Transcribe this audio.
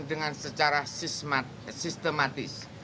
dengan secara sistematis